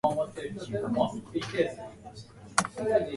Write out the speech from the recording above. In unfamiliar surroundings the little piglet is scared.